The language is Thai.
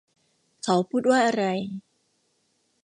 เขาพูดว่าอะไร